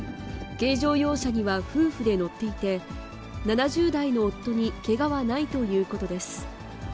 軽乗用車には夫婦で乗っていて、７０代の夫にけがはないということです。